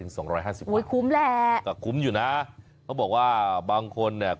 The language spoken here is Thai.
อุ๊ยคุ้มแหละก็คุ้มอยู่นะเขาบอกว่าบางคนเนี่ย